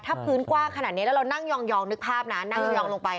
ถ้าพื้นกว้างขนาดนี้แล้วเรานั่งยองนึกภาพนะนั่งยองลงไป